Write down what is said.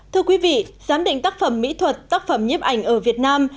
thưa quý vị giám định tác phẩm mỹ thuật tác phẩm nhiếp ảnh ở việt nam